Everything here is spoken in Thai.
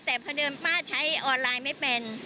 แต่พอเดิมป้าใช้ออนไลน์ไม่เป็น